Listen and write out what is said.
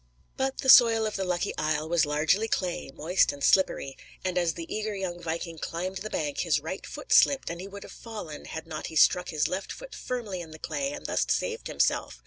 But the soil of the "Lucky Isle" was largely clay, moist and slippery, and as the eager young viking climbed the bank his right foot slipped, and he would have fallen had not he struck his left foot firmly in the clay and thus saved himself.